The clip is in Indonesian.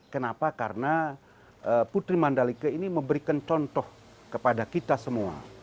kenapa karena putri mandalika ini memberikan contoh kepada kita semua